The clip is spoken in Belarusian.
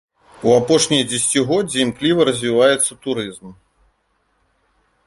У апошнія дзесяцігоддзі імкліва развіваецца турызм.